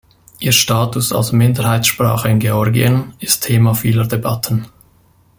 Ihr Status als Minderheitssprache in Georgien ist Thema vieler Debatten.